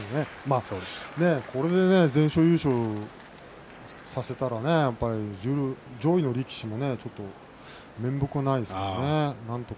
これで全勝優勝させたら上位の力士は面目ないですよね。